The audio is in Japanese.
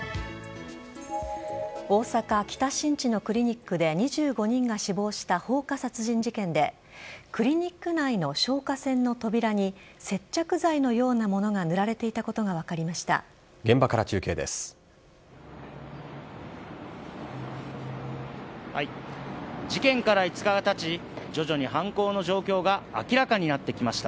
大阪・北新地のクリニックで２５人が死亡した放火殺人事件で、クリニック内の消火栓の扉に、接着剤のようなものが塗られていたことが分かりました。